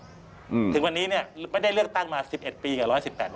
ถึงวันนี้เนี่ยไม่ได้เลือกตั้งมา๑๑ปีกับ๑๑๘ปี